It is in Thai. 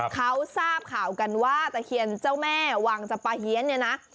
เขาทราบข่าวกันว่าตะเคียนเจ้าแม่วังจำปาเฮียนเนี่ยนะ